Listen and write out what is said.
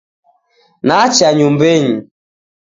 Nacha nyumbenyi